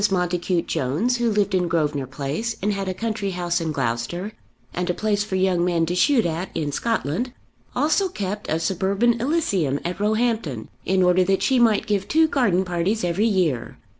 Montacute Jones, who lived in Grosvenor Place and had a country house in Gloucestershire, and a place for young men to shoot at in Scotland, also kept a suburban elysium at Roehampton, in order that she might give two garden parties every year.